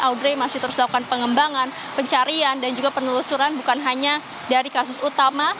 aldrey masih terus dilakukan pengembangan pencarian dan juga penelusuran bukan hanya dari kasus utama